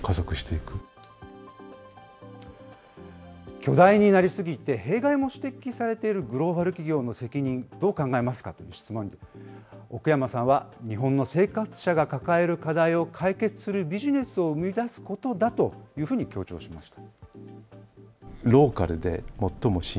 巨大になりすぎて弊害も指摘されているグローバル企業の責任、どう考えますかという質問に、奥山さんは日本の生活者が抱える課題を解決するビジネスを生み出すことだというふうに強調しました。